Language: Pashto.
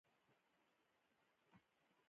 زه هم له وچکالۍ نه ډارېږم د ژړا په حال کې.